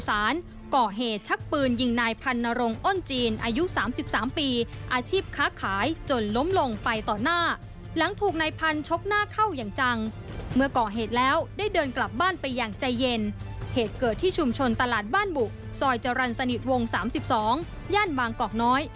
อันตรีสิทธิ์วง๓๒ย่านบางกอกน้อย